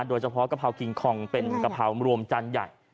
โดยเฉพาะกระเพรากิงคองเป็นกระเพรารวมจันทร์ใหญ่